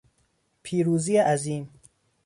پیروزی عظیم